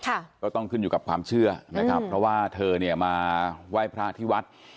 ก็ต้องขึ้นอยู่กับความเชื่อนะครับเพราะว่าเธอเนี่ยมาไหว้พระที่วัด